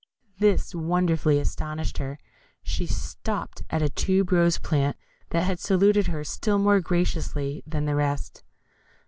This wonderfully astonished her; she stopped at a tube rose plant that had saluted her still more graciously than the rest.